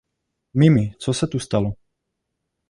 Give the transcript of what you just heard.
Mimi, co se tu stalo?